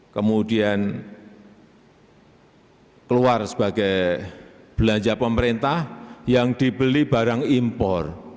kemudian keluar sebagai belanja pemerintah yang dibeli barang impor